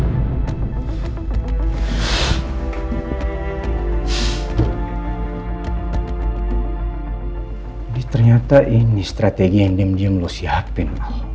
jadi ternyata ini strategi yang diam diam lo siapin